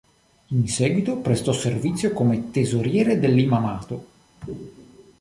In seguito prestò servizio come Tesoriere dell'imamato.